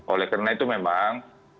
oleh karena itu memang